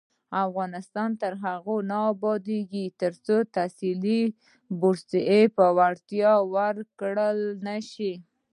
افغانستان تر هغو نه ابادیږي، ترڅو تحصیلي بورسونه په وړتیا ورکړل نشي.